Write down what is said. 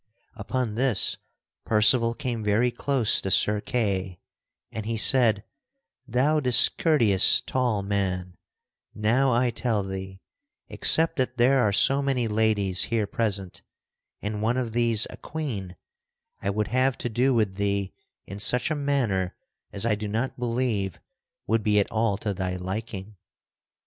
Upon this Percival came very close to Sir Kay and he said: "Thou discourteous tall man; now I tell thee, except that there are so many ladies here present, and one of these a Queen, I would have to do with thee in such a manner as I do not believe would be at all to thy liking.